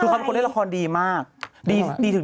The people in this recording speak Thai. ตรงนี้เป็นทายละครอย่างนึง